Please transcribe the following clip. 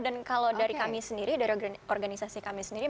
dan kalau dari kami sendiri dari organisasi kami sendiri